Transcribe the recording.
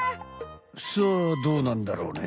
さあどうなんだろうね。